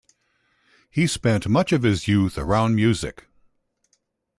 He spent much of his youth around music.